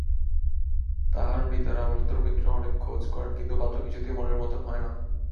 তাহার পিতা রামসুন্দর মিত্র অনেক খোঁজ করেন কিন্তু পাত্র কিছুতেই মনের মতন হয় না।